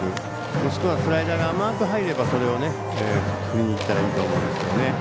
もしくはスライダーが甘く入ればそれを振りにいったらいいと思うんですが。